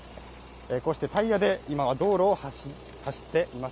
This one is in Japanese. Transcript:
こうしてタイヤで、今は道路を走っています。